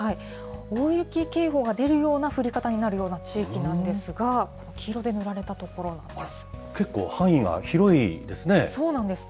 大雪警報が出るような降り方になるような地域なんですが、黄色で結構範囲が広いですね。